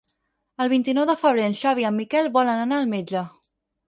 El vint-i-nou de febrer en Xavi i en Miquel volen anar al metge.